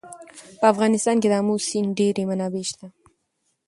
په افغانستان کې د آمو سیند ډېرې منابع شته.